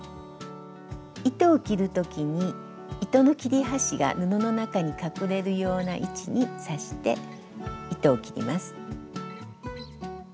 糸を切る時に糸の切れ端が布の中に隠れるような位置に刺して糸を切ります。